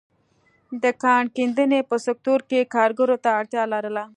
د کان کیندنې په سکتور کې کارګرو ته اړتیا لرله.